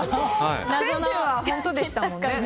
先週は本当でしたもんね。